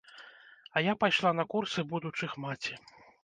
А я пайшла на курсы будучых маці.